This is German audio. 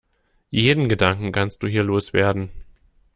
Jeden Gedanken kannst du hier los werden.